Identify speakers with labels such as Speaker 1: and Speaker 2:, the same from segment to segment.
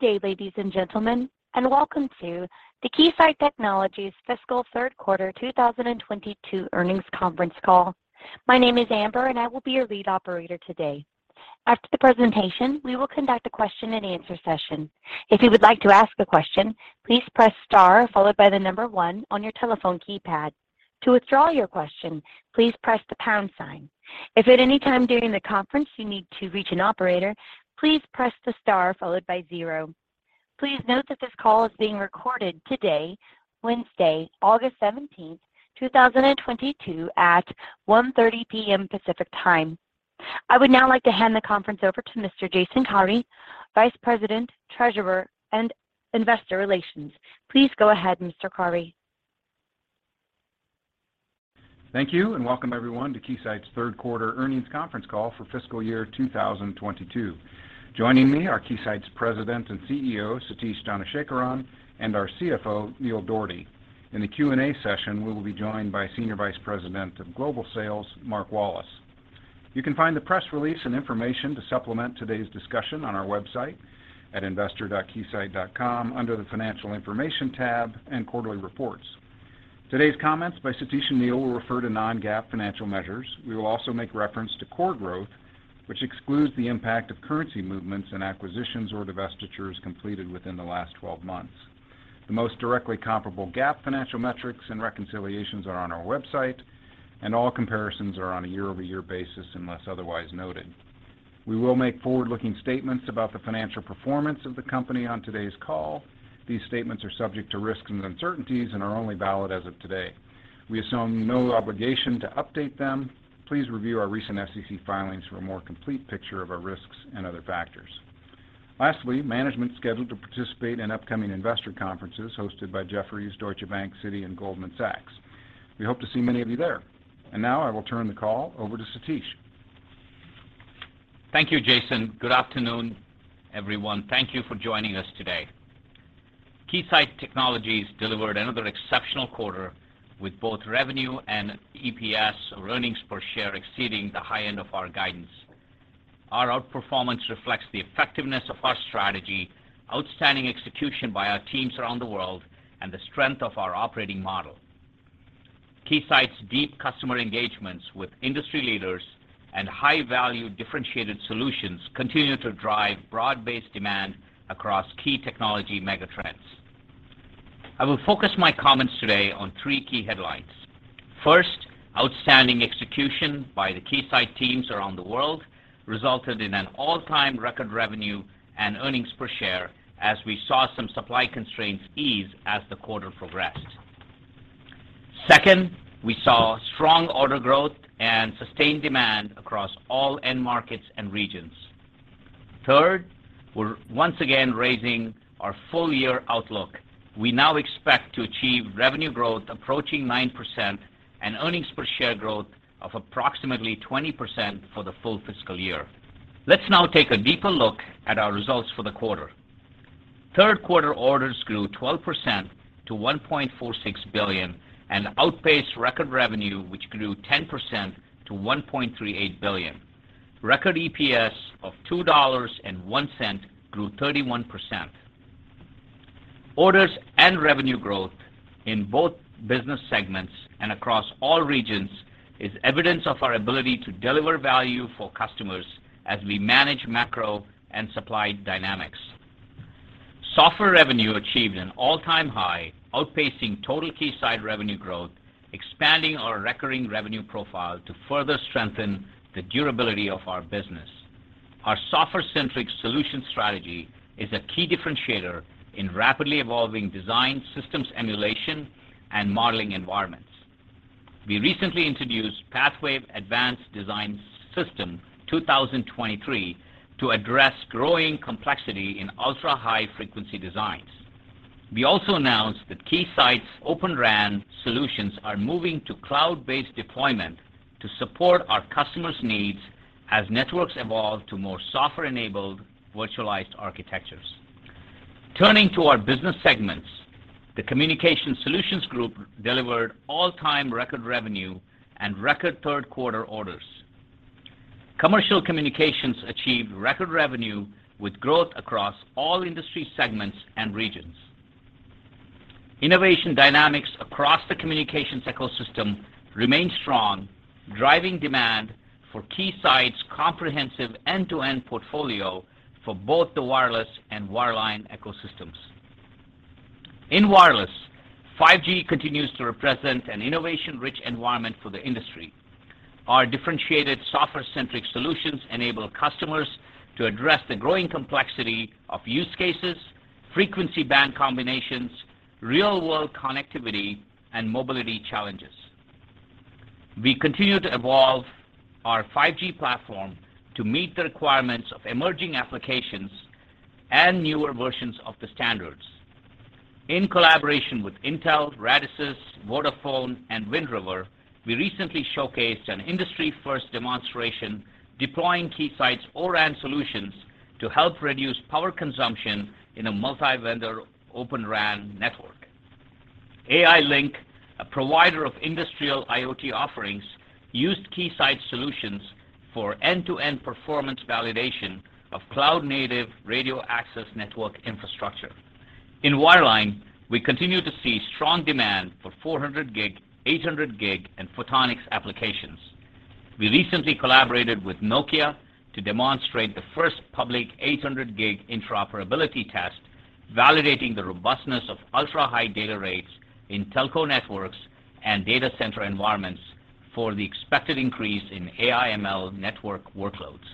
Speaker 1: Good day, ladies and gentlemen, and welcome to the Keysight Technologies Fiscal Q3 2022 earnings conference call. My name is Amber, and I will be your lead operator today. After the presentation, we will conduct a question-and-answer session. If you would like to ask a question, please press star followed by the number 1 on your telephone keypad. To withdraw your question, please press the pound sign. If at any time during the conference you need to reach an operator, please press the star followed by 0. Please note that this call is being recorded today, Wednesday, August 17, 2022 at 1:30 P.M. Pacific Time. I would now like to hand the conference over to Mr. Jason Kary, VP, Treasurer, and Investor Relations. Please go ahead, Mr. Kary.
Speaker 2: Thank you, and welcome everyone to Keysight's Q3 earnings conference call for fiscal year 2022. Joining me are Keysight's President and CEO, Satish Dhanasekaran, and our CFO, Neil Dougherty. In the Q&A session, we will be joined by SVP of Global Sales, Mark Wallace. You can find the press release and information to supplement today's discussion on our website at investor.keysight.com under the Financial Information tab and Quarterly Reports. Today's comments by Satish and Neil will refer to non-GAAP financial measures. We will also make reference to core growth, which excludes the impact of currency movements and acquisitions or divestitures completed within the last 12 months. The most directly comparable GAAP financial metrics and reconciliations are on our website, and all comparisons are on a year-over-year basis unless otherwise noted. We will make forward-looking statements about the financial performance of the company on today's call. These statements are subject to risks and uncertainties and are only valid as of today. We assume no obligation to update them. Please review our recent SEC filings for a more complete picture of our risks and other factors. Lastly, management is scheduled to participate in upcoming investor conferences hosted by Jefferies, Deutsche Bank, Citi, and Goldman Sachs. We hope to see many of you there. Now I will turn the call over to Satish.
Speaker 3: Thank you, Jason. Good afternoon, everyone. Thank you for joining us today. Keysight Technologies delivered another exceptional quarter with both revenue and EPS earnings per share exceeding the high end of our guidance. Our outperformance reflects the effectiveness of our strategy, outstanding execution by our teams around the world, and the strength of our operating model. Keysight's deep customer engagements with industry leaders and high-value differentiated solutions continue to drive broad-based demand across key technology megatrends. I will focus my comments today on three key headlines. First, outstanding execution by the Keysight teams around the world resulted in an all-time record revenue and earnings per share as we saw some supply constraints ease as the quarter progressed. Second, we saw strong order growth and sustained demand across all end markets and regions. Third, we're once again raising our full year outlook. We now expect to achieve revenue growth approaching 9% and earnings per share growth of approximately 20% for the full fiscal year. Let's now take a deeper look at our results for the quarter. Q3 orders grew 12% to $1.46 billion and outpaced record revenue, which grew 10% to $1.38 billion. Record EPS of $2.01 grew 31%. Orders and revenue growth in both business segments and across all regions is evidence of our ability to deliver value for customers as we manage macro and supply dynamics. Software revenue achieved an all-time high, outpacing total Keysight revenue growth, expanding our recurring revenue profile to further strengthen the durability of our business. Our software-centric solution strategy is a key differentiator in rapidly evolving design systems emulation and modeling environments. We recently introduced PathWave Advanced Design System 2023 to address growing complexity in ultra-high frequency designs. We also announced that Keysight's Open RAN solutions are moving to cloud-based deployment to support our customers' needs as networks evolve to more software-enabled virtualized architectures. Turning to our business segments, the Communication Solutions Group delivered all-time record revenue and record Q3 orders. Commercial Communications achieved record revenue with growth across all industry segments and regions. Innovation dynamics across the communications ecosystem remain strong, driving demand for Keysight's comprehensive end-to-end portfolio for both the wireless and wireline ecosystems. In wireless, 5G continues to represent an innovation-rich environment for the industry. Our differentiated software-centric solutions enable customers to address the growing complexity of use cases, frequency band combinations, real-world connectivity, and mobility challenges. We continue to evolve our 5G platform to meet the requirements of emerging applications and newer versions of the standards. In collaboration with Intel, Radisys, Vodafone, and Wind River, we recently showcased an industry-first demonstration deploying Keysight's ORAN solutions to help reduce power consumption in a multi-vendor Open RAN network. AI-LINK, a provider of industrial IoT offerings, used Keysight solutions for end-to-end performance validation of cloud-native radio access network infrastructure. In wireline, we continue to see strong demand for 400G, 800G, and photonics applications. We recently collaborated with Nokia to demonstrate the first public 800G interoperability test, validating the robustness of ultra-high data rates in telco networks and data center environments for the expected increase in AI ML network workloads.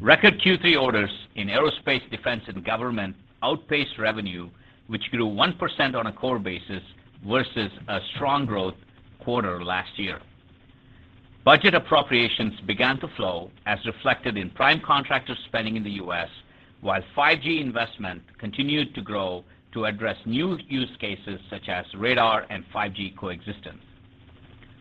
Speaker 3: Record Q3 orders in aerospace, defense, and government outpaced revenue, which grew 1% on a core basis versus a strong growth quarter last year. Budget appropriations began to flow as reflected in prime contractor spending in the U.S., while 5G investment continued to grow to address new use cases such as radar and 5G coexistence.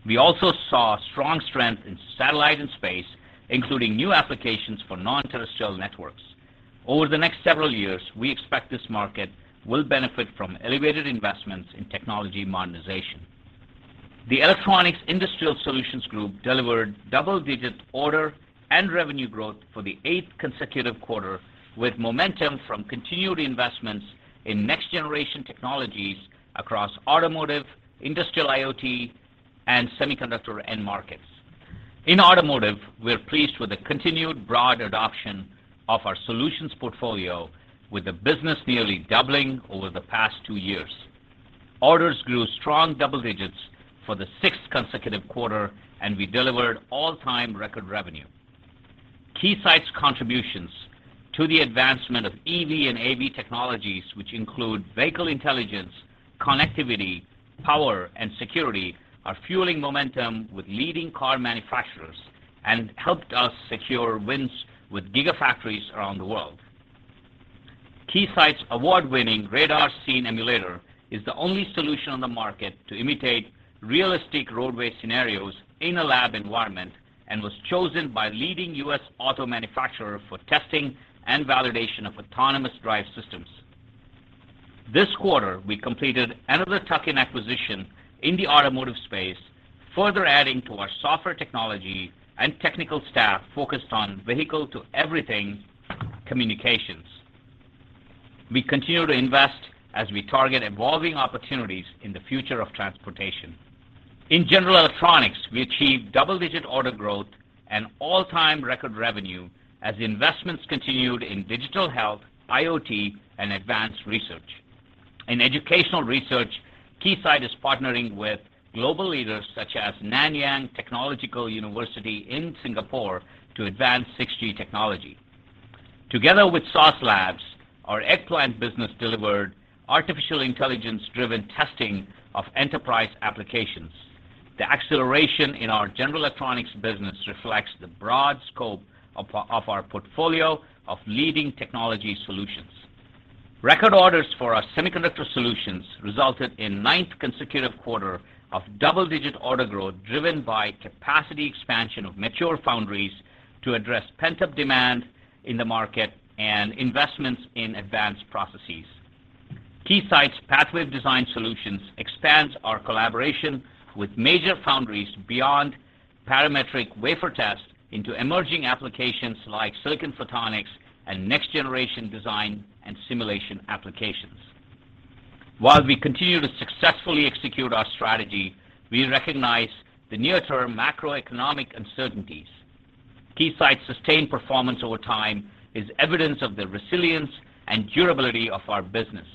Speaker 3: We also saw strong strength in satellite and space, including new applications for non-terrestrial networks. Over the next several years, we expect this market will benefit from elevated investments in technology modernization. The Electronic Industrial Solutions Group delivered double-digit order and revenue growth for the eighth consecutive quarter, with momentum from continued investments in next-generation technologies across automotive, industrial IoT, and semiconductor end markets. In automotive, we're pleased with the continued broad adoption of our solutions portfolio with the business nearly doubling over the past two years. Orders grew strong double digits for the sixth consecutive quarter, and we delivered all-time record revenue. Keysight's contributions to the advancement of EV and AV technologies, which include vehicle intelligence, connectivity, power, and security, are fueling momentum with leading car manufacturers and helped us secure wins with gigafactories around the world. Keysight's award-winning Radar Scene Emulator is the only solution on the market to imitate realistic roadway scenarios in a lab environment and was chosen by leading U.S. auto manufacturer for testing and validation of autonomous drive systems. This quarter, we completed another tuck-in acquisition in the automotive space, further adding to our software technology and technical staff focused on Vehicle-to-Everything communications. We continue to invest as we target evolving opportunities in the future of transportation. In general electronics, we achieved double-digit order growth and all-time record revenue as investments continued in digital health, IoT, and advanced research. In educational research, Keysight is partnering with global leaders such as Nanyang Technological University in Singapore to advance 6G technology. Together with Sauce Labs, our Eggplant business delivered artificial intelligence-driven testing of enterprise applications. The acceleration in our general electronics business reflects the broad scope of our portfolio of leading technology solutions. Record orders for our semiconductor solutions resulted in ninth consecutive quarter of double-digit order growth, driven by capacity expansion of mature foundries to address pent-up demand in the market and investments in advanced processes. Keysight's PathWave Design Solutions expands our collaboration with major foundries beyond parametric wafer test into emerging applications like silicon photonics and next-generation design and simulation applications. While we continue to successfully execute our strategy, we recognize the near-term macroeconomic uncertainties. Keysight's sustained performance over time is evidence of the resilience and durability of our business.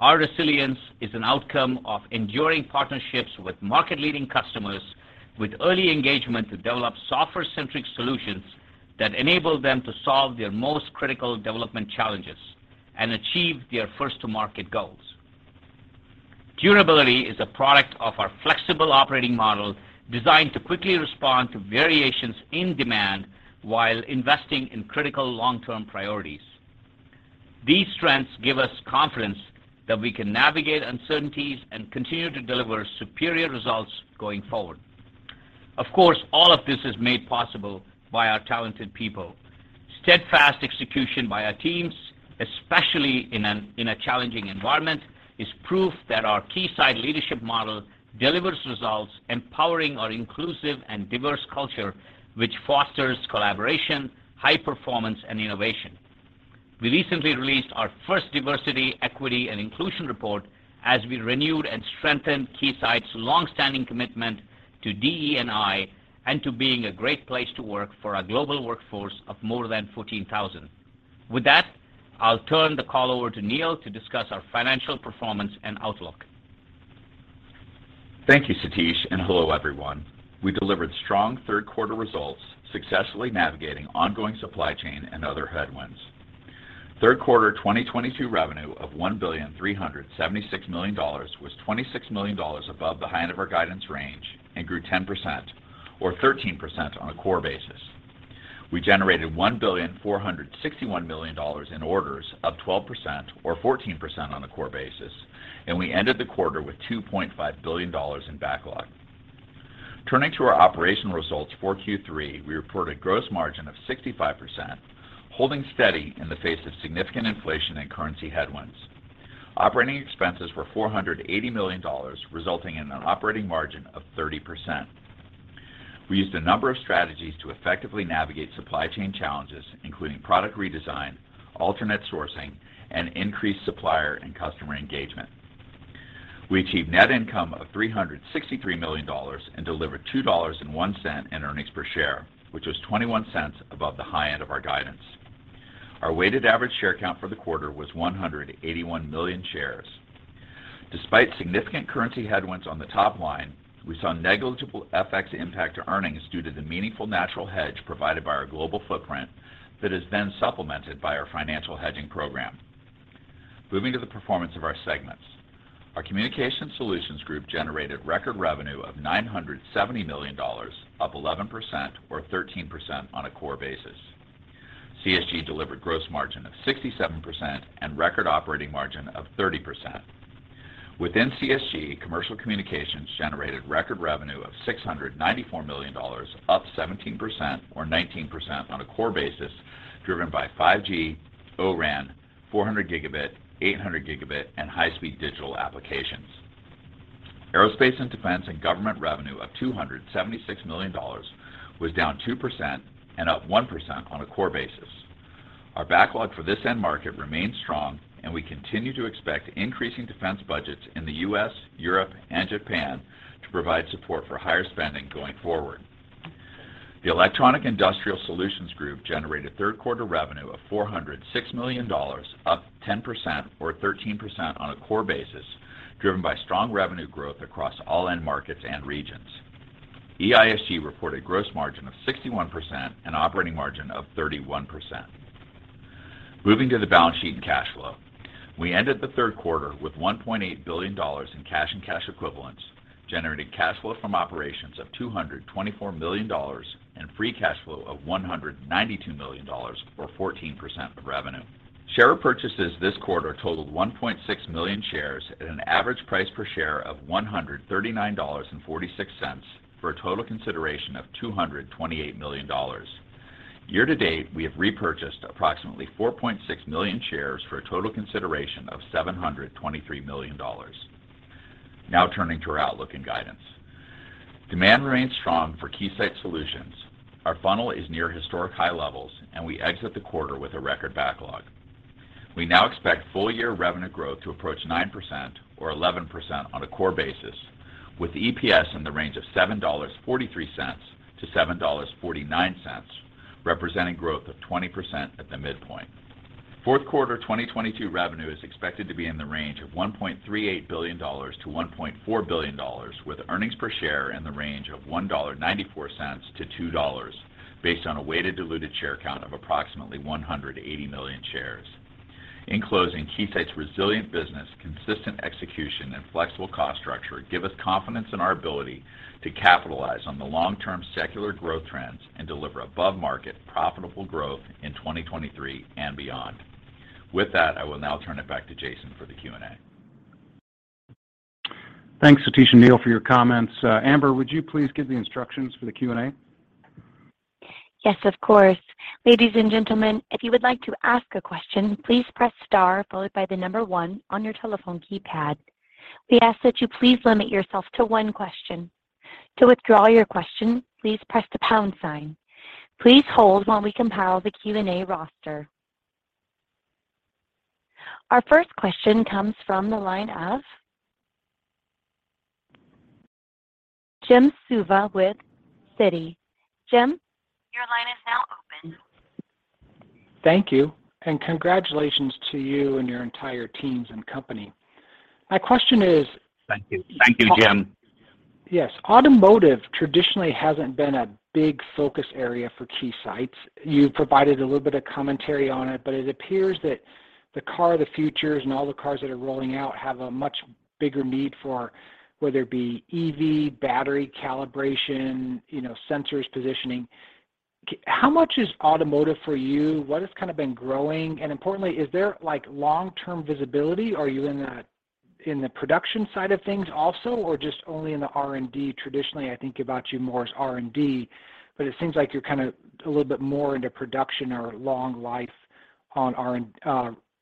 Speaker 3: Our resilience is an outcome of enduring partnerships with market-leading customers with early engagement to develop software-centric solutions that enable them to solve their most critical development challenges and achieve their first-to-market goals. Durability is a product of our flexible operating model designed to quickly respond to variations in demand while investing in critical long-term priorities. These strengths give us confidence that we can navigate uncertainties and continue to deliver superior results going forward. Of course, all of this is made possible by our talented people. Steadfast execution by our teams, especially in a challenging environment, is proof that our Keysight leadership model delivers results, empowering our inclusive and diverse culture, which fosters collaboration, high performance, and innovation. We recently released our first diversity, equity, and inclusion report as we renewed and strengthened Keysight's long-standing commitment to DE&I and to being a great place to work for our global workforce of more than 14,000. With that, I'll turn the call over to Neil to discuss our financial performance and outlook.
Speaker 4: Thank you, Satish, and hello, everyone. We delivered strong Q3 results, successfully navigating ongoing supply chain and other headwinds. Q3 2022 revenue of $1,376 million was $26 million above the high end of our guidance range and grew 10% or 13% on a core basis. We generated $1,461 million in orders, up 12% or 14% on a core basis, and we ended the quarter with $2.5 billion in backlog. Turning to our operational results for Q3, we reported gross margin of 65%, holding steady in the face of significant inflation and currency headwinds. Operating expenses were $480 million, resulting in an operating margin of 30%. We used a number of strategies to effectively navigate supply chain challenges, including product redesign, alternate sourcing, and increased supplier and customer engagement. We achieved net income of $363 million and delivered $2.01 in earnings per share, which was $0.21 above the high end of our guidance. Our weighted average share count for the quarter was 181 million shares. Despite significant currency headwinds on the top line, we saw negligible FX impact to earnings due to the meaningful natural hedge provided by our global footprint that is then supplemented by our financial hedging program. Moving to the performance of our segments. Our Communication Solutions Group generated record revenue of $970 million, up 11% or 13% on a core basis. CSG delivered gross margin of 67% and record operating margin of 30%. Within CSG, commercial communications generated record revenue of $694 million, up 17% or 19% on a core basis, driven by 5G, ORAN, 400G, 800G, and high-speed digital applications. Aerospace and defense and government revenue of $276 million was down 2% and up 1% on a core basis. Our backlog for this end market remains strong, and we continue to expect increasing defense budgets in the U.S., Europe, and Japan to provide support for higher spending going forward. The Electronic Industrial Solutions Group generated Q3 revenue of $406 million, up 10% or 13% on a core basis, driven by strong revenue growth across all end markets and regions. EISG reported gross margin of 61% and operating margin of 31%. Moving to the balance sheet and cash flow. We ended the Q3 with $1.8 billion in cash and cash equivalents, generating cash flow from operations of $224 million and free cash flow of $192 million or 14% of revenue. Share purchases this quarter totaled 1.6 million shares at an average price per share of $139.46 for a total consideration of $228 million. Year to date, we have repurchased approximately 4.6 million shares for a total consideration of $723 million. Now turning to our outlook and guidance. Demand remains strong for Keysight solutions. Our funnel is near historic high levels, and we exit the quarter with a record backlog. We now expect full-year revenue growth to approach 9% or 11% on a core basis with EPS in the range of $7.43-$7.49, representing growth of 20% at the midpoint. Q4 2022 revenue is expected to be in the range of $1.38 billion-$1.4 billion, with earnings per share in the range of $1.94-$2 based on a weighted diluted share count of approximately 180 million shares. In closing, Keysight's resilient business, consistent execution, and flexible cost structure give us confidence in our ability to capitalize on the long-term secular growth trends and deliver above-market, profitable growth in 2023 and beyond. With that, I will now turn it back to Jason for the Q&A.
Speaker 2: Thanks, Satish and Neil, for your comments. Amber, would you please give the instructions for the Q&A?
Speaker 1: Yes, of course. Ladies and gentlemen, if you would like to ask a question, please press star followed by the number one on your telephone keypad. We ask that you please limit yourself to one question. To withdraw your question, please press the pound sign. Please hold while we compile the Q&A roster. Our first question comes from the line of Jim Suva with Citi. Jim, your line is now open.
Speaker 5: Thank you. Congratulations to you and your entire teams and company. My question is.
Speaker 4: Thank you. Thank you, Jim.
Speaker 5: Yes. Automotive traditionally hasn't been a big focus area for Keysight. You provided a little bit of commentary on it, but it appears that the car of the futures and all the cars that are rolling out have a much bigger need for whether it be EV, battery calibration, you know, sensors positioning. How much is automotive for you? What has kind of been growing? Importantly, is there, like, long-term visibility? Are you in the production side of things also or just only in the R&D? Traditionally, I think about you more as R&D, but it seems like you're kinda a little bit more into production or long life on our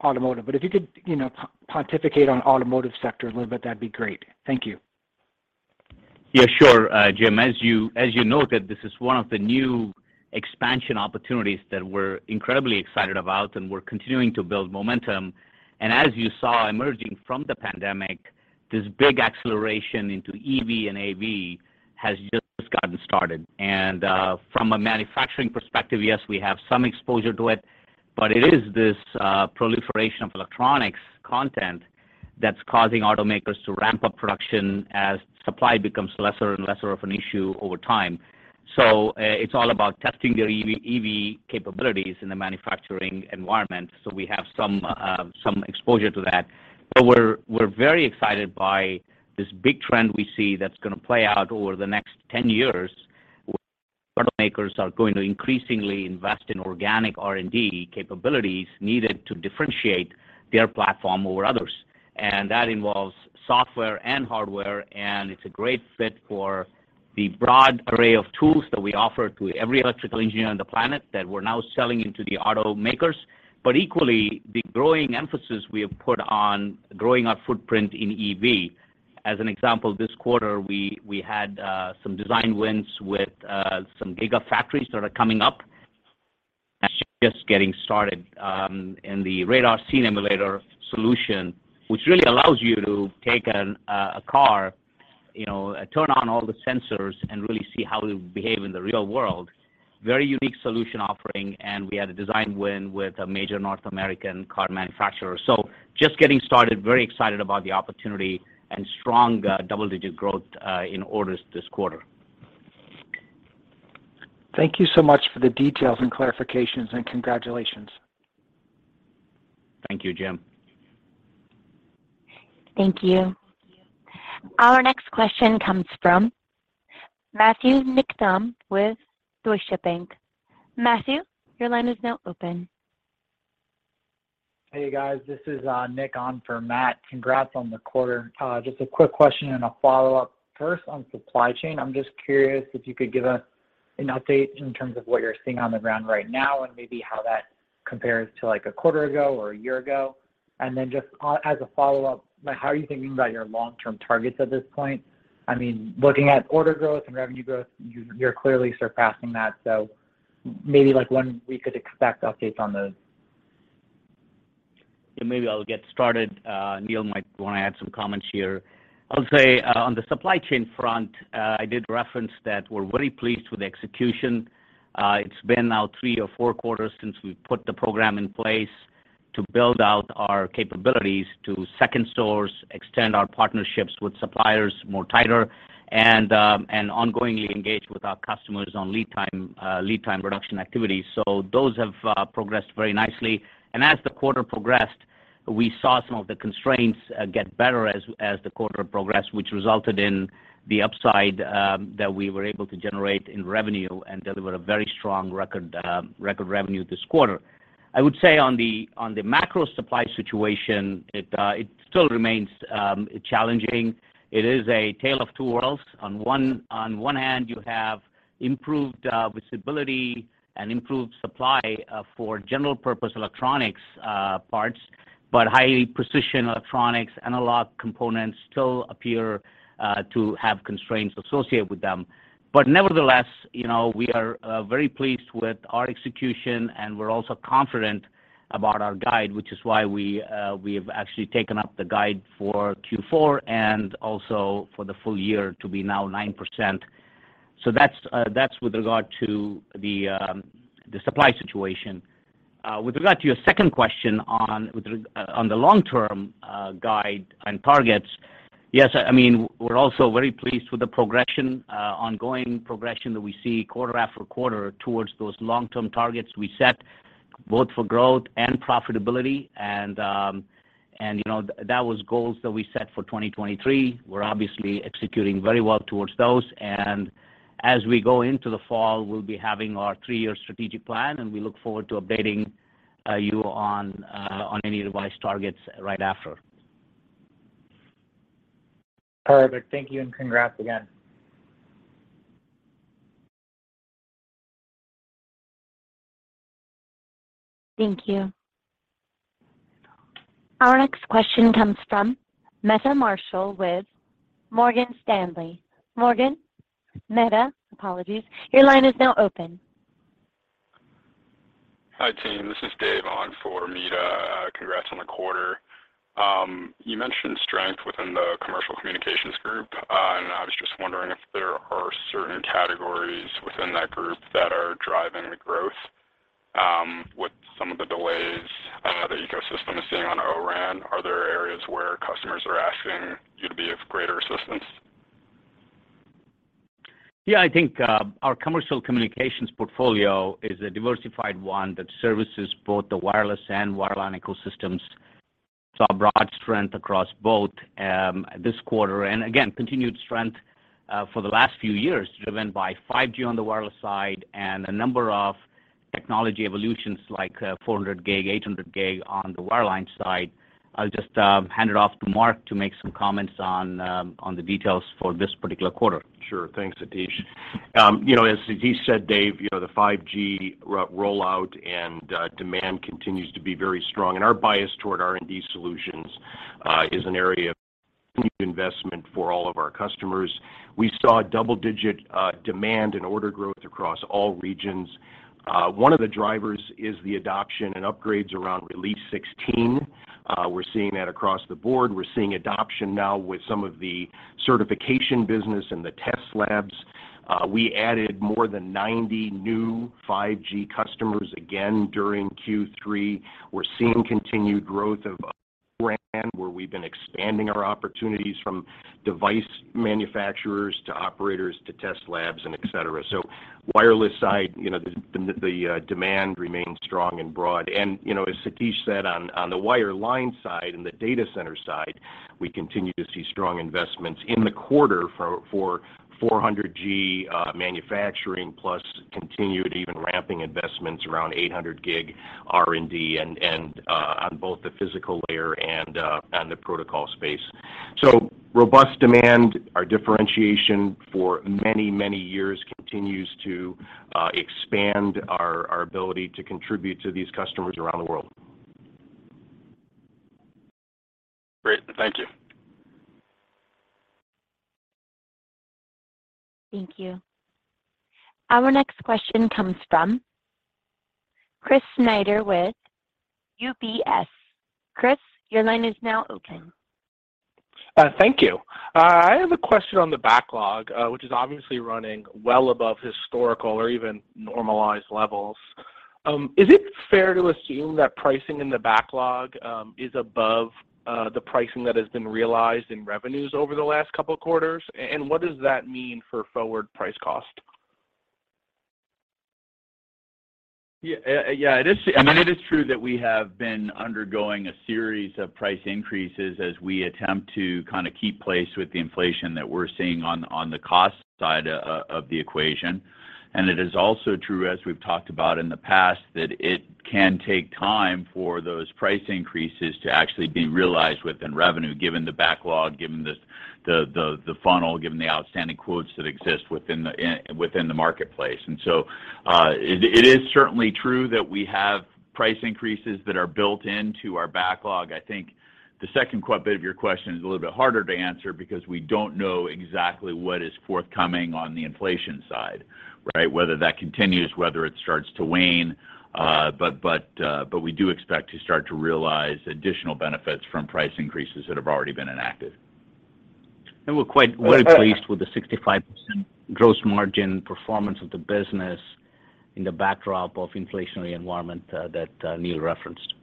Speaker 5: automotive. If you could, you know, pontificate on automotive sector a little bit, that'd be great. Thank you.
Speaker 4: Yeah, sure, Jim. As you noted, this is one of the new expansion opportunities that we're incredibly excited about, and we're continuing to build momentum. As you saw emerging from the pandemic, this big acceleration into EV and AV has just gotten started. From a manufacturing perspective, yes, we have some exposure to it, but it is this proliferation of electronics content that's causing automakers to ramp up production as supply becomes lesser and lesser of an issue over time. It's all about testing their EV capabilities in the manufacturing environment. We have some exposure to that. We're very excited by this big trend we see that's gonna play out over the next 10 years. Makers are going to increasingly invest in organic R&D capabilities needed to differentiate their platform over others. That involves software and hardware, and it's a great fit for the broad array of tools that we offer to every electrical engineer on the planet that we're now selling into the automakers. Equally, the growing emphasis we have put on growing our footprint in EV. As an example, this quarter we had some design wins with some gigafactories that are coming up and just getting started in the Radar Scene Emulator solution, which really allows you to take a car, you know, turn on all the sensors and really see how to behave in the real world. Very unique solution offering, and we had a design win with a major North American car manufacturer. Just getting started, very excited about the opportunity and strong double-digit growth in orders this quarter.
Speaker 5: Thank you so much for the details and clarifications, and congratulations.
Speaker 3: Thank you, Jim.
Speaker 1: Thank you. Our next question comes from Matthew Niknam with Deutsche Bank. Matthew, your line is now open.
Speaker 6: Hey, guys. This is Nick on for Matt. Congrats on the quarter. Just a quick question and a follow-up. First, on supply chain, I'm just curious if you could give us an update in terms of what you're seeing on the ground right now and maybe how that compares to, like, a quarter ago or a year ago. As a follow-up, like, how are you thinking about your long-term targets at this point? I mean, looking at order growth and revenue growth, you're clearly surpassing that. Maybe, like, when we could expect updates on those.
Speaker 3: Yeah, maybe I'll get started. Neil might wanna add some comments here. I'll say on the supply chain front, I did reference that we're very pleased with the execution. It's been now 3 or 4 quarters since we put the program in place to build out our capabilities to second source, extend our partnerships with suppliers more tighter and ongoingly engage with our customers on lead time reduction activities. Those have progressed very nicely. As the quarter progressed, we saw some of the constraints get better as the quarter progressed, which resulted in the upside that we were able to generate in revenue, and delivered a very strong record revenue this quarter. I would say on the macro supply situation, it still remains challenging. It is a tale of two worlds. On one hand you have improved visibility and improved supply for general purpose electronics parts, but high precision electronics, analog components still appear to have constraints associated with them. Nevertheless, you know, we are very pleased with our execution and we're also confident about our guide, which is why we have actually taken up the guide for Q4 and also for the full year to be now 9%. That's with regard to the supply situation. With regard to your second question on the long-term guide and targets, yes, I mean, we're also very pleased with the progression, ongoing progression that we see quarter after quarter towards those long-term targets we set, both for growth and profitability. You know, that was goals that we set for 2023. We're obviously executing very well towards those. As we go into the fall, we'll be having our three-year strategic plan, and we look forward to updating you on any revised targets right after.
Speaker 6: Perfect. Thank you, and congrats again.
Speaker 1: Thank you. Our next question comes from Meta Marshall with Morgan Stanley. Morgan. Meta, apologies. Your line is now open.
Speaker 7: Hi, team. This is Dave on for Meta Marshall. Congrats on the quarter. You mentioned strength within the Communication Solutions Group, and I was just wondering if there are certain categories within that group that are driving the growth, with some of the delays the ecosystem is seeing on O-RAN. Are there areas where customers are asking you to be of greater assistance?
Speaker 3: Yeah. I think our commercial communications portfolio is a diversified one that services both the wireless and wireline ecosystems. Saw broad strength across both this quarter, and again, continued strength for the last few years, driven by 5G on the wireless side and a number of technology evolutions like 400G, 800G on the wireline side. I'll just hand it off to Mark to make some comments on the details for this particular quarter.
Speaker 8: Sure. Thanks, Satish. You know, as Satish said, Dave, you know, the 5G rollout and demand continues to be very strong. Our bias toward R&D solutions is an area of investment for all of our customers. We saw double-digit demand and order growth across all regions. One of the drivers is the adoption and upgrades around Release 16. We're seeing that across the board. We're seeing adoption now with some of the certification business and the test labs. We added more than 90 new 5G customers again during Q3. We're seeing continued growth of where we've been expanding our opportunities from device manufacturers to operators to test labs and etc. Wireless side, you know, the demand remains strong and broad. You know, as Satish said on the wire line side and the data center side, we continue to see strong investments in the quarter for 400G manufacturing plus continued even ramping investments around 800G R&D and on both the physical layer and on the protocol space. Robust demand. Our differentiation for many years continues to expand our ability to contribute to these customers around the world.
Speaker 1: Great. Thank you. Thank you. Our next question comes from Chris Snyder with UBS. Chris, your line is now open.
Speaker 9: Thank you. I have a question on the backlog, which is obviously running well above historical or even normalized levels. Is it fair to assume that pricing in the backlog is above the pricing that has been realized in revenues over the last couple of quarters? What does that mean for forward price cost?
Speaker 8: It is true that we have been undergoing a series of price increases as we attempt to kinda keep pace with the inflation that we're seeing on the cost side of the equation. It is also true, as we've talked about in the past, that it can take time for those price increases to actually be realized within revenue, given the backlog, given the funnel, given the outstanding quotes that exist within the marketplace. It is certainly true that we have price increases that are built into our backlog. I think the second bit of your question is a little bit harder to answer because we don't know exactly what is forthcoming on the inflation side, right? Whether that continues, whether it starts to wane. We do expect to start to realize additional benefits from price increases that have already been enacted.
Speaker 3: We're quite pleased with the 65% gross margin performance of the business in the backdrop of inflationary environment that Neil referenced.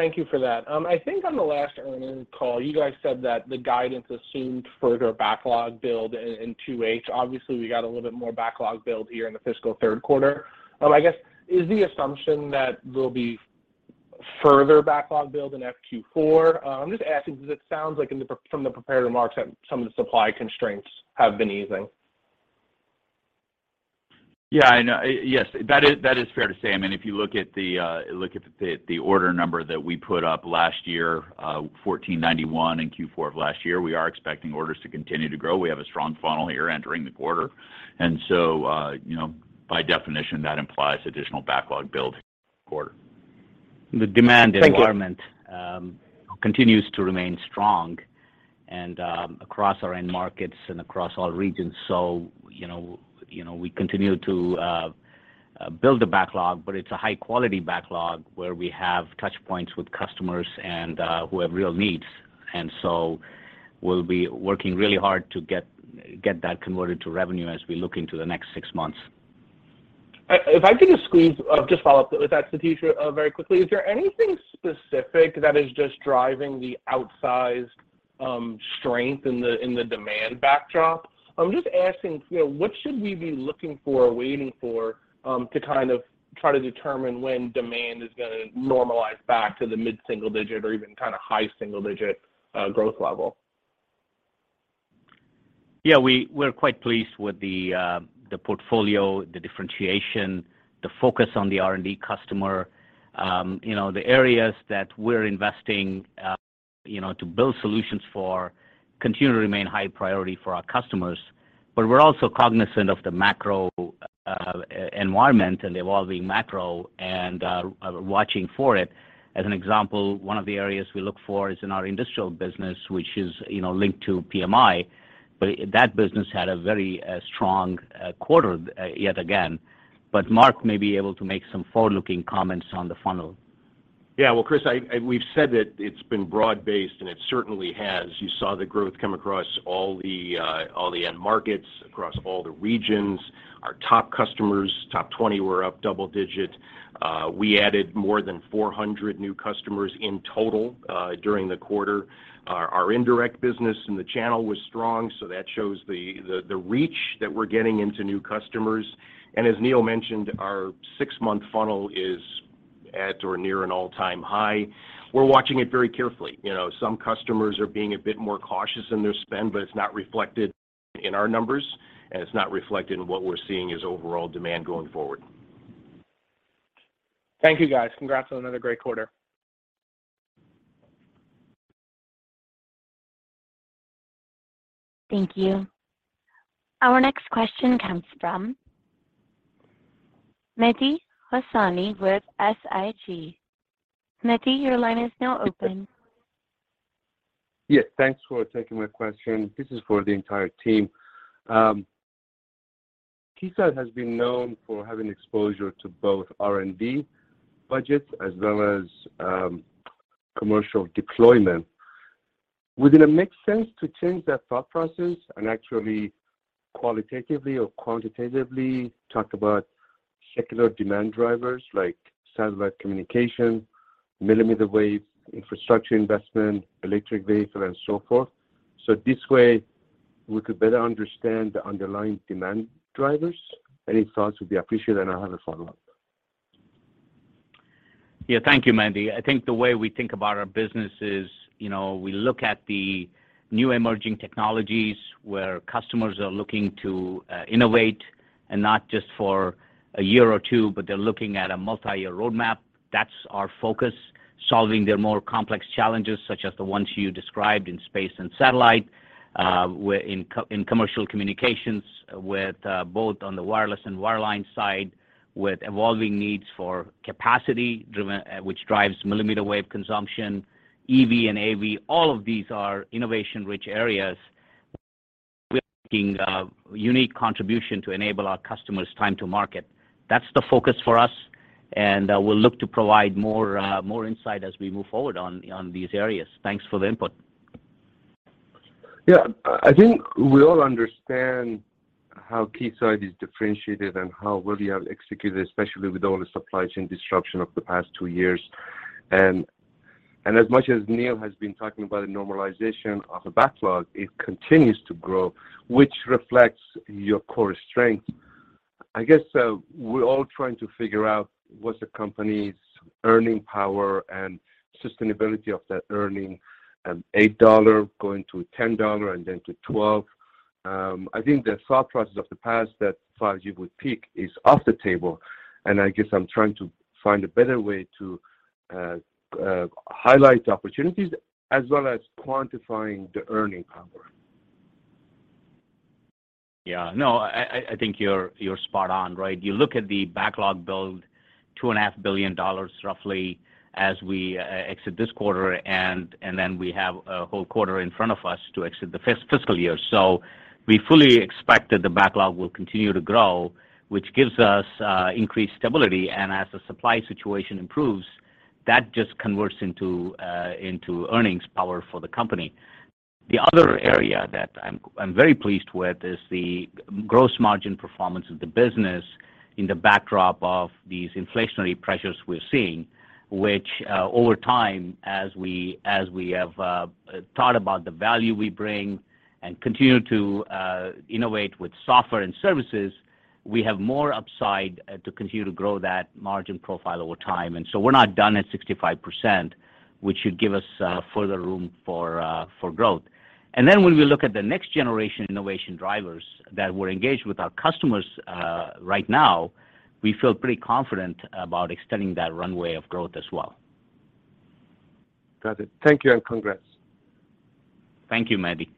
Speaker 9: Thank you for that. I think on the last earnings call, you guys said that the guidance assumed further backlog build in 2H. Obviously, we got a little bit more backlog build here in the fiscal Q3. I guess, is the assumption that there'll be further backlog build in FQ4? I'm just asking 'cause it sounds like, from the prepared remarks, that some of the supply constraints have been easing.
Speaker 8: Yeah, I know. Yes, that is fair to say. I mean, if you look at the order number that we put up last year, $1,491 million in Q4 of last year, we are expecting orders to continue to grow. We have a strong funnel here entering the quarter. You know, by definition, that implies additional backlog build quarter.
Speaker 3: The demand environment.
Speaker 9: Thank you.
Speaker 3: continues to remain strong and across our end markets and across all regions. You know, we continue to build the backlog, but it's a high quality backlog where we have touch points with customers and who have real needs. We'll be working really hard to get that converted to revenue as we look into the next six months.
Speaker 9: If I could just squeeze just follow up with that, Satish, very quickly. Is there anything specific that is just driving the outsized strength in the demand backdrop? I'm just asking, you know, what should we be looking for or waiting for, to kind of try to determine when demand is gonna normalize back to the mid-single digit or even kinda high single digit growth level?
Speaker 3: Yeah, we're quite pleased with the portfolio, the differentiation, the focus on the R&D customer. You know, the areas that we're investing, you know, to build solutions for continue to remain high priority for our customers. We're also cognizant of the macro environment and the evolving macro and watching for it. As an example, one of the areas we look for is in our industrial business, which is, you know, linked to PMI. That business had a very strong quarter yet again. Mark may be able to make some forward-looking comments on the funnel.
Speaker 8: Yeah. Well, Chris, we've said that it's been broad-based, and it certainly has. You saw the growth come across all the end markets, across all the regions. Our top customers, top 20 were up double digit. We added more than 400 new customers in total during the quarter. Our indirect business in the channel was strong, so that shows the reach that we're getting into new customers. As Neil Dougherty mentioned, our six-month funnel is at or near an all-time high. We're watching it very carefully. You know, some customers are being a bit more cautious in their spend, but it's not reflected in our numbers, and it's not reflected in what we're seeing as overall demand going forward.
Speaker 9: Thank you, guys. Congrats on another great quarter.
Speaker 1: Thank you. Our next question comes from Mehdi Hosseini with SIG. Mehdi, your line is now open.
Speaker 10: Yes, thanks for taking my question. This is for the entire team. Keysight has been known for having exposure to both R&D budgets as well as, commercial deployment. Would it make sense to change that thought process and actually qualitatively or quantitatively talk about secular demand drivers like satellite communication, millimeter wave infrastructure investment, electric vehicle and so forth? This way we could better understand the underlying demand drivers. Any thoughts would be appreciated, and I have a follow-up.
Speaker 3: Yeah. Thank you, Mehdi. I think the way we think about our business is, you know, we look at the new emerging technologies where customers are looking to innovate and not just for a year or two, but they're looking at a multi-year roadmap. That's our focus, solving their more complex challenges, such as the ones you described in space and satellite, where in commercial communications with both on the wireless and wireline side, with evolving needs for capacity driven, which drives millimeter wave consumption, EV and AV. All of these are innovation-rich areas. We're making a unique contribution to enable our customers' time to market. That's the focus for us, and we'll look to provide more insight as we move forward on these areas. Thanks for the input.
Speaker 10: Yeah. I think we all understand how Keysight is differentiated and how well you have executed, especially with all the supply chain disruption of the past two years. As much as Neil has been talking about the normalization of the backlog, it continues to grow, which reflects your core strength. I guess we're all trying to figure out what's the company's earning power and sustainability of that earning, $8 going to $10 and then to $12. I think the thought process of the past that 5G would peak is off the table, and I guess I'm trying to find a better way to highlight the opportunities as well as quantifying the earning power.
Speaker 3: Yeah. No, I think you're spot on, right? You look at the backlog build, $2.5 billion roughly as we exit this quarter, and then we have a whole quarter in front of us to exit the fiscal year. We fully expect that the backlog will continue to grow, which gives us increased stability. As the supply situation improves, that just converts into earnings power for the company. The other area that I'm very pleased with is the gross margin performance of the business in the backdrop of these inflationary pressures we're seeing, which, over time, as we have thought about the value we bring and continue to innovate with software and services, we have more upside to continue to grow that margin profile over time. We're not done at 65%, which should give us further room for growth. When we look at the next generation innovation drivers that we're engaged with our customers right now, we feel pretty confident about extending that runway of growth as well.
Speaker 10: Got it. Thank you, and congrats.
Speaker 3: Thank you, Mehdi.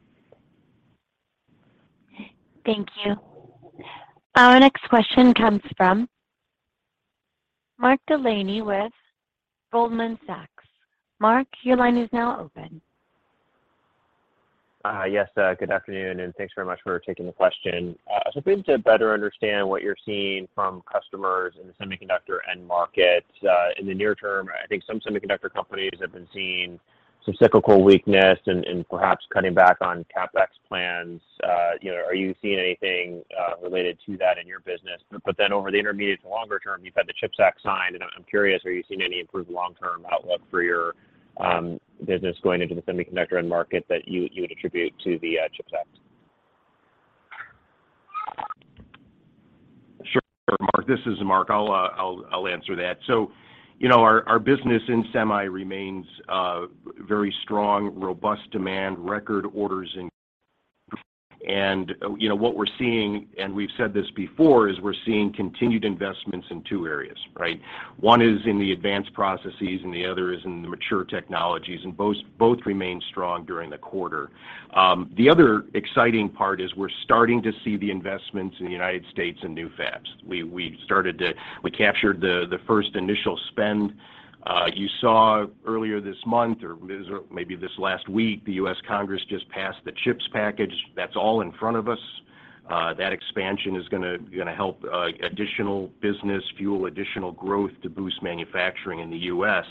Speaker 1: Thank you. Our next question comes from Mark Delaney with Goldman Sachs. Mark, your line is now open.
Speaker 11: Yes, good afternoon, and thanks very much for taking the question. To begin to better understand what you're seeing from customers in the semiconductor end market, in the near term, I think some semiconductor companies have been seeing some cyclical weakness and perhaps cutting back on CapEx plans. You know, are you seeing anything related to that in your business? Over the intermediate to longer term, you've had the CHIPS Act signed, and I'm curious, are you seeing any improved long-term outlook for your business going into the semiconductor end market that you would attribute to the CHIPS Act?
Speaker 8: Sure, Mark. This is Mark. I'll answer that. You know, our business in semi remains very strong, robust demand, record orders in. You know, what we're seeing, and we've said this before, is we're seeing continued investments in two areas, right? One is in the advanced processes, and the other is in the mature technologies, and both remain strong during the quarter. The other exciting part is we're starting to see the investments in the United States and new fabs. We captured the first initial spend. You saw earlier this month or maybe this last week, the U.S. Congress just passed the CHIPS package. That's all in front of us. That expansion is gonna help additional business fuel additional growth to boost manufacturing in the U.S.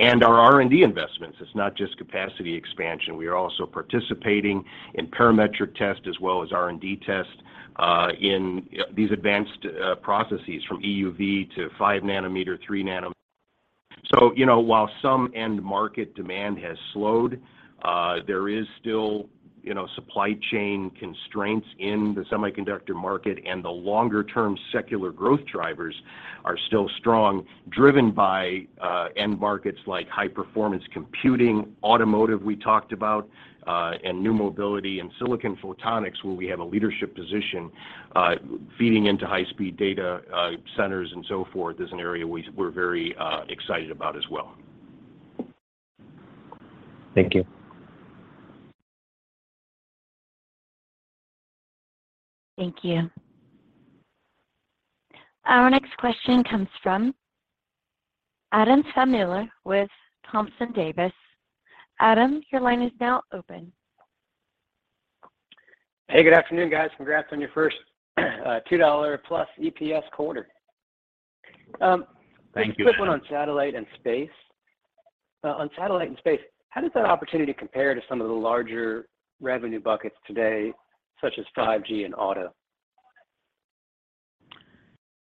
Speaker 8: Our R&D investments, it's not just capacity expansion. We are also participating in parametric test as well as R&D test in these advanced processes from EUV to 5 nanometer, 3 nano. You know, while some end market demand has slowed, there is still, you know, supply chain constraints in the semiconductor market, and the longer-term secular growth drivers are still strong, driven by end markets like high-performance computing, automotive we talked about, and new mobility and silicon photonics, where we have a leadership position, feeding into high-speed data centers and so forth is an area we're very excited about as well.
Speaker 11: Thank you.
Speaker 1: Thank you. Our next question comes from Adam Thalhimer with Thompson Davis. Adam, your line is now open.
Speaker 12: Hey, good afternoon, guys. Congrats on your first $2+ EPS quarter.
Speaker 3: Thank you.
Speaker 12: A quick one on satellite and space. On satellite and space, how does that opportunity compare to some of the larger revenue buckets today, such as 5G and auto?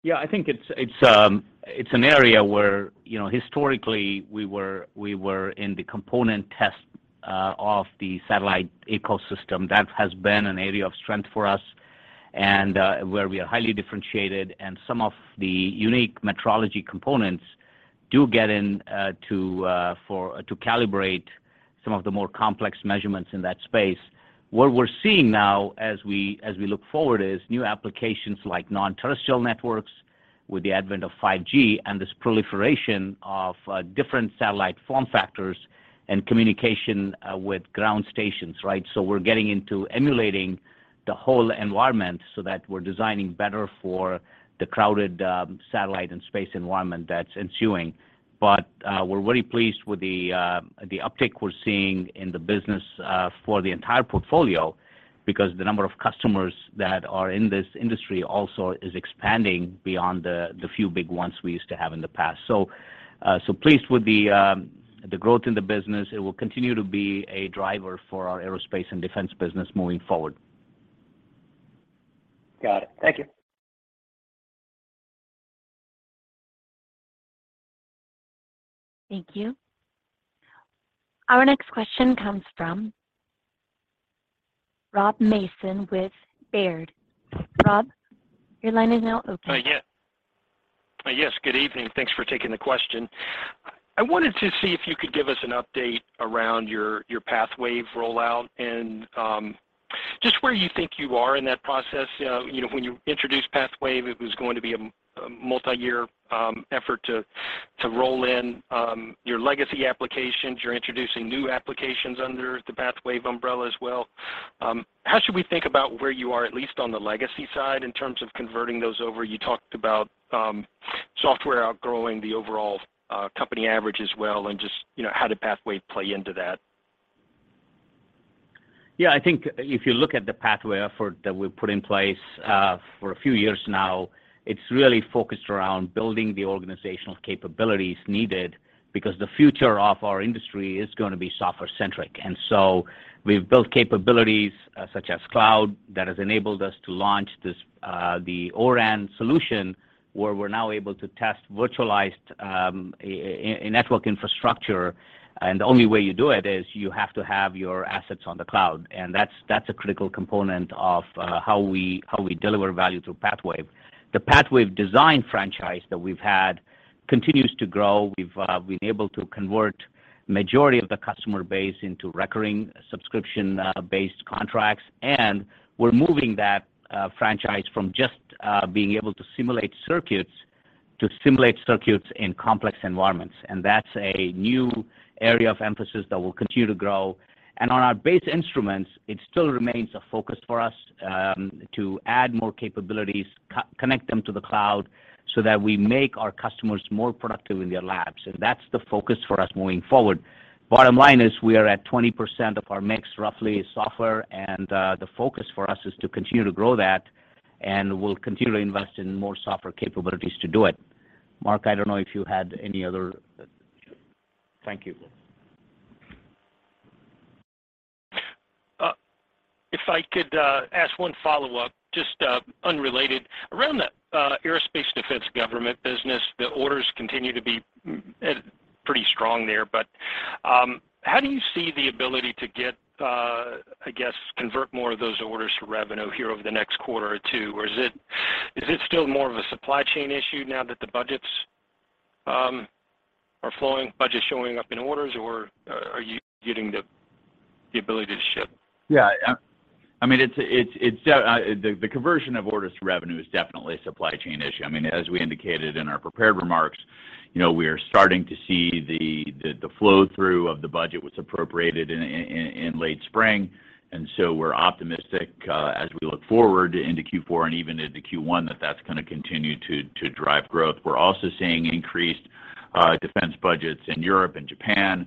Speaker 3: Yeah, I think it's an area where, you know, historically we were in the component test of the satellite ecosystem. That has been an area of strength for us and where we are highly differentiated, and some of the unique metrology components do get in to for to calibrate some of the more complex measurements in that space. What we're seeing now as we look forward is new applications like non-terrestrial networks with the advent of 5G and this proliferation of different satellite form factors and communication with ground stations, right? We're getting into emulating the whole environment so that we're designing better for the crowded satellite and space environment that's ensuing. We're very pleased with the uptick we're seeing in the business for the entire portfolio because the number of customers that are in this industry also is expanding beyond the few big ones we used to have in the past. Pleased with the growth in the business. It will continue to be a driver for our aerospace and defense business moving forward.
Speaker 12: Got it. Thank you.
Speaker 1: Thank you. Our next question comes from Rob Mason with Baird. Rob, your line is now open.
Speaker 13: Yes, good evening. Thanks for taking the question. I wanted to see if you could give us an update around your PathWave rollout and just where you think you are in that process. You know, when you introduced PathWave, it was going to be a multi-year effort to roll in your legacy applications. You're introducing new applications under the PathWave umbrella as well. How should we think about where you are, at least on the legacy side, in terms of converting those over? You talked about software outgrowing the overall company average as well and just, you know, how did PathWave play into that?
Speaker 3: Yeah. I think if you look at the PathWave effort that we've put in place, for a few years now, it's really focused around building the organizational capabilities needed because the future of our industry is gonna be software centric. We've built capabilities, such as cloud that has enabled us to launch this, the ORAN solution, where we're now able to test virtualized, a network infrastructure, and the only way you do it is you have to have your assets on the cloud, and that's a critical component of how we deliver value through PathWave. The PathWave design franchise that we've had continues to grow. We've been able to convert majority of the customer base into recurring subscription-based contracts, and we're moving that franchise from just being able to simulate circuits to simulate circuits in complex environments, and that's a new area of emphasis that will continue to grow. On our base instruments, it still remains a focus for us to add more capabilities, connect them to the cloud so that we make our customers more productive in their labs, and that's the focus for us moving forward. Bottom line is we are at 20% of our mix, roughly, software, and the focus for us is to continue to grow that, and we'll continue to invest in more software capabilities to do it. Mark, I don't know if you had any other.
Speaker 13: Thank you. If I could ask one follow-up, just unrelated. Around the aerospace defense government business, the orders continue to be pretty strong there. How do you see the ability to get, I guess, convert more of those orders to revenue here over the next quarter or two? Or is it still more of a supply chain issue now that the budgets are flowing, budgets showing up in orders or are you getting the ability to ship?
Speaker 3: I mean, it's the conversion of orders to revenue is definitely a supply chain issue. I mean, as we indicated in our prepared remarks, you know, we are starting to see the flow-through of the budget was appropriated in late spring. We're optimistic as we look forward into Q4 and even into Q1, that that's gonna continue to drive growth. We're also seeing increased defense budgets in Europe and Japan,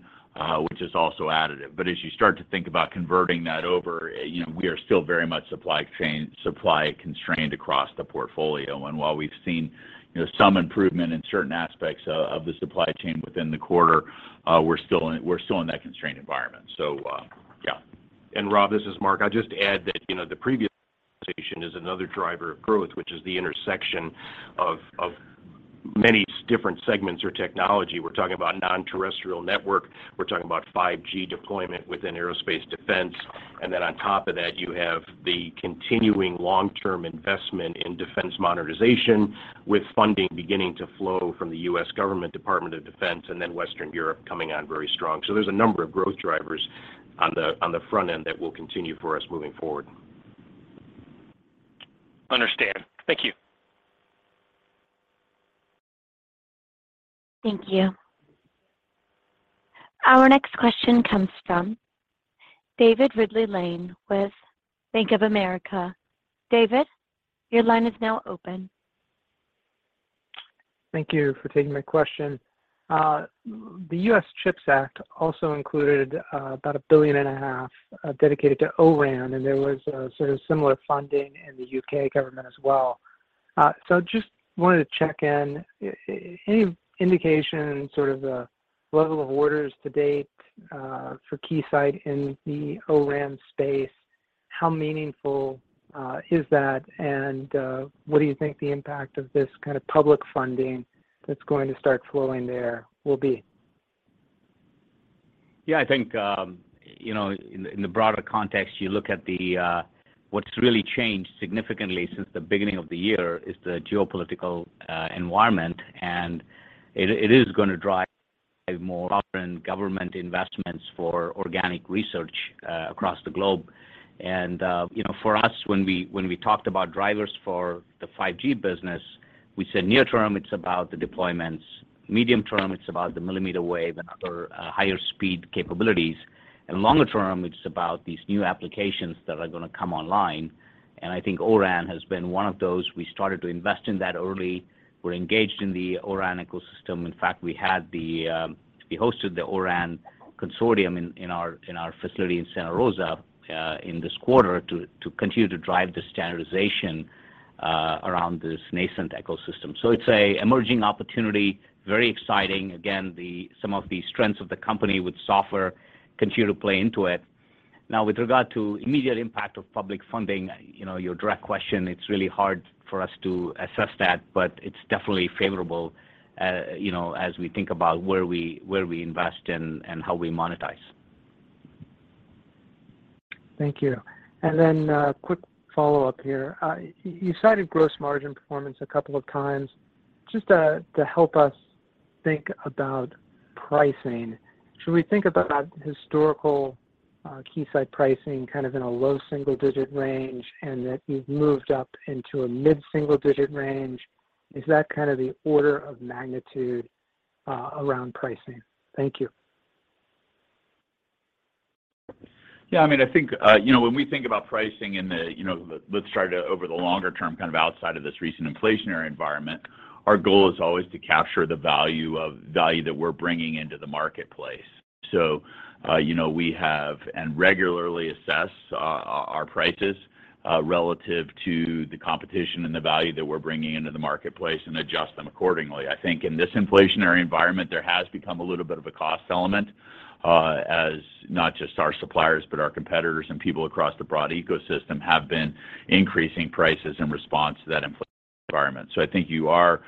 Speaker 3: which is also additive. But as you start to think about converting that over, you know, we are still very much supply-chain constrained across the portfolio. And while we've seen, you know, some improvement in certain aspects of the supply chain within the quarter, we're still in that constrained environment. Yeah. Rob, this is Mark. I'll just add that, you know, the previous presentation is another driver of growth, which is the intersection of many different segments or technology. We're talking about non-terrestrial network. We're talking about 5G deployment within aerospace and defense. On top of that, you have the continuing long-term investment in defense modernization with funding beginning to flow from the U.S. government, Department of Defense, and then Western Europe coming on very strong. There's a number of growth drivers on the front end that will continue for us moving forward.
Speaker 13: Understand. Thank you.
Speaker 1: Thank you. Our next question comes from David Ridley-Lane with Bank of America. David, your line is now open.
Speaker 14: Thank you for taking my question. The U.S. CHIPS Act also included about $1.5 billion dedicated to ORAN, and there was a sort of similar funding in the U.K. government as well. Just wanted to check in. Any indication, sort of the level of orders to date, for Keysight in the ORAN space, how meaningful is that? What do you think the impact of this kind of public funding that's going to start flowing there will be?
Speaker 3: Yeah, I think you know in the broader context you look at what's really changed significantly since the beginning of the year is the geopolitical environment. It is gonna drive more on government investments for organic research across the globe. You know for us when we talked about drivers for the 5G business we said near term it's about the deployments. Medium term it's about the millimeter wave and other higher speed capabilities. Longer term it's about these new applications that are gonna come online. I think ORAN has been one of those. We started to invest in that early. We're engaged in the ORAN ecosystem. In fact, we hosted the ORAN consortium in our facility in Santa Rosa in this quarter to continue to drive the standardization around this nascent ecosystem. It's a emerging opportunity. Very exciting. Again, some of the strengths of the company with software continue to play into it. Now, with regard to immediate impact of public funding, you know, your direct question, it's really hard for us to assess that, but it's definitely favorable, you know, as we think about where we invest and how we monetize.
Speaker 14: Thank you. Quick follow-up here. You cited gross margin performance a couple of times. Just to help us think about pricing, should we think about historical, Keysight pricing kind of in a low single-digit range, and that you've moved up into a mid single-digit range? Is that kind of the order of magnitude, around pricing? Thank you.
Speaker 4: Yeah. I mean, I think, you know, when we think about pricing, you know, let's start with the longer term, kind of outside of this recent inflationary environment, our goal is always to capture the value that we're bringing into the marketplace. We have and regularly assess our prices relative to the competition and the value that we're bringing into the marketplace and adjust them accordingly. I think in this inflationary environment, there has become a little bit of a cost element, as not just our suppliers, but our competitors and people across the broad ecosystem have been increasing prices in response to that inflationary environment. I think you are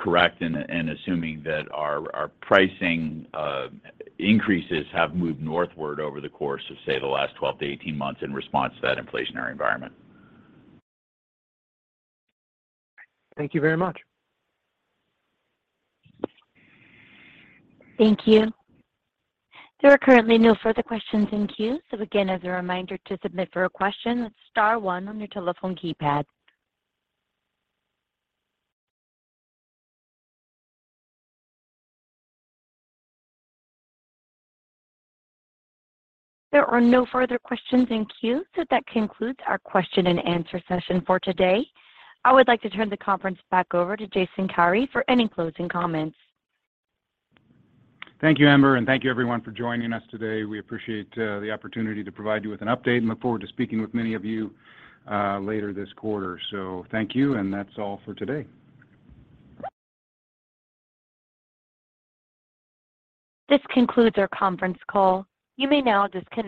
Speaker 4: correct in assuming that our pricing increases have moved northward over the course of, say, the last 12-18 months in response to that inflationary environment.
Speaker 14: Thank you very much.
Speaker 1: Thank you. There are currently no further questions in queue. Again, as a reminder to submit for a question, it's star one on your telephone keypad. There are no further questions in queue, so that concludes our question and answer session for today. I would like to turn the conference back over to Jason Kary for any closing comments.
Speaker 4: Thank you, Amber, and thank you everyone for joining us today. We appreciate the opportunity to provide you with an update and look forward to speaking with many of you later this quarter. Thank you, and that's all for today.
Speaker 1: This concludes our conference call. You may now disconnect.